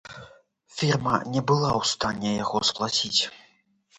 Фірма не была ў стане яго сплаціць.